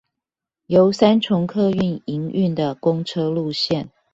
由三重客運營運的公車路線